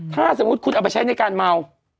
ถ้าสมมุติคุณเอาไปใช้ในการเมา